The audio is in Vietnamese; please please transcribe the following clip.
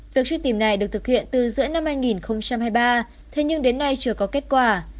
việc truy tìm này được thực hiện từ giữa năm hai nghìn hai mươi ba thế nhưng đến nay chưa có kết quả